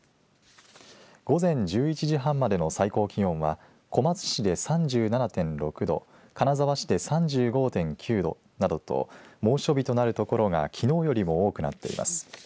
午前１１時半までの最高気温は小松市で３７．６度金沢市で３５．９度などと猛暑日となるところがきのうよりも多くなっています。